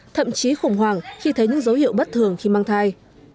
thậm chí khủng hoảng khi thấy những dấu hiệu bất thường khi mang thai